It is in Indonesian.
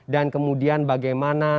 dan kemudian bagaimana